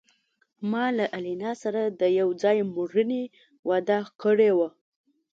ما له انیلا سره د یو ځای مړینې وعده کړې وه